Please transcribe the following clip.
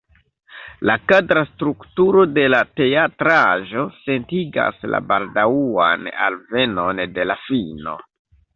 La kadra strukturo de la teatraĵo sentigas la baldaŭan alvenon de la fino.